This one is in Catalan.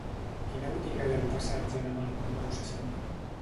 Quina botiga hi ha al passatge de Mart número seixanta?